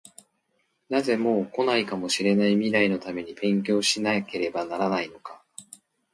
なぜ、もう来ないかもしれない未来のために勉強しなければならないのか？